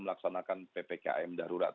melaksanakan ppkm darurat